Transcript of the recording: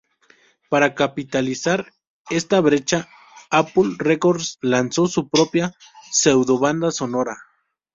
Para capitalizar esta brecha, Apple Records lanzó su propia "pseudo-banda sonora".